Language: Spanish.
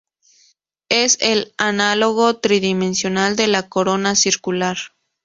Es el análogo tridimensional de la corona circular.